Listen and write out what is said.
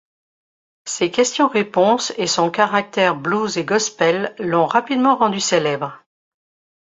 Ses questions-réponses et son caractère Blues et Gospel l'ont rapidement rendu célèbre.